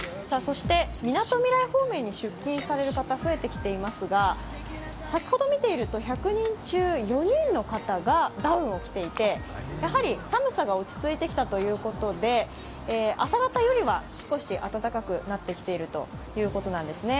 みなとみらい方面に出勤される方、増えてきていますが、先ほど見ていると、１００人中４人の方がダウンを着ていてやはり寒さが落ち着いてきたということで朝方よりは少し暖かくなってきているということなんですね。